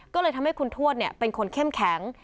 ก็เลยทำให้คุณทวดเป็นคนเข้มแข็ง